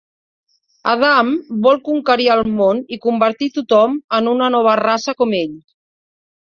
Adam vol conquerir el món i convertir tothom en una nova raça com ell.